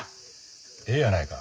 ええやないか。